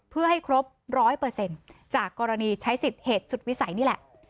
เพื่อให้ครบ๑๐๐จากกรณีใช้สิทธิ์เหตุสุดวิสัยนี่แหละ